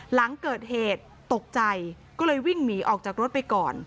หลังเกิดเหตุตกใจก็เลยวิ่งหนีออกจากรถไปก่อน